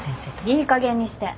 いいかげんにして。